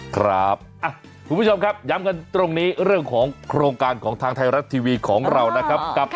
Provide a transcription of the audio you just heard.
คุณผู้ชมครับย้ำกันตรงนี้เรื่องของโครงการของทางไทยรัฐทีวีของเรานะครับ